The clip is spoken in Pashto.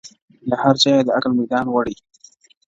له هر چا یې دی د عقل میدان وړی!.